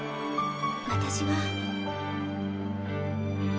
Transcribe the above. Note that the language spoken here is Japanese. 私は。